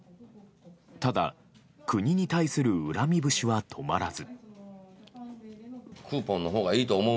ただ、国に対する恨み節は止まらず。